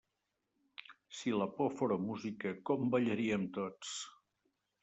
Si la por fóra música, com ballaríem tots.